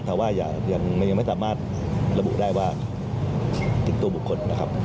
แต่ว่ายังไม่สามารถระบุได้ว่าผิดตัวบุคคลนะครับ